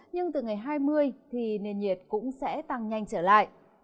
nhưng từ ngày hai mươi thì nền nhiệt cũng sẽ tăng nhanh trở lại